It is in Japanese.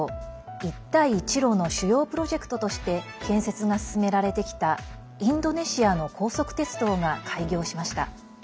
「一帯一路」の主要プロジェクトとして建設が進められてきたインドネシアの高速鉄道が開業しました。